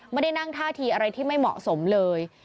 ไม่ได้นั่งท่าทีอะไรที่ไม่เหมาะสมเลย